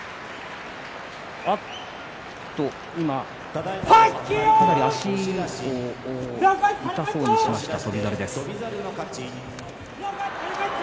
あっと、今かなり足を痛そうにしました翔猿です。